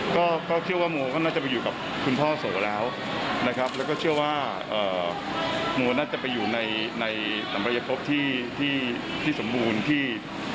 ก็เชื่อว่าพี่โมน่าจะเกิดมาเป็นความสวยงามเหมือนชาตินี้